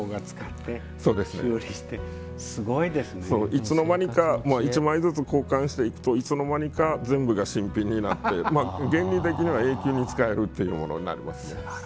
いつの間にか１枚ずつ交換していくと、いつの間にか全部が新品になって原理的には永久に使えるってものになりますね。